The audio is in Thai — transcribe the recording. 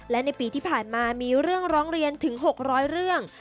และในปีที่ผ่านมามีเรื่องร้องเรียนถึง๖๐๐เรื่อง